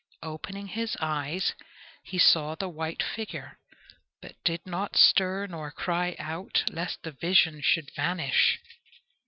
Opening his eyes, he saw the white figure, but did not stir nor cry out, lest the vision should vanish.